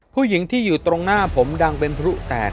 ผู้หญิงที่อยู่ตรงหน้าผมดังเป็นพลุแตก